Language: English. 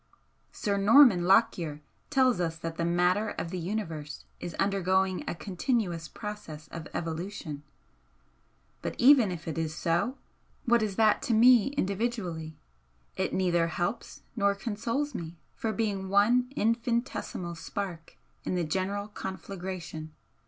Sir Norman Lockyer tells us that the matter of the Universe is undergoing a continuous process of evolution but even if it is so, what is that to me individually? It neither helps nor consoles me for being one infinitesimal spark in the general conflagration.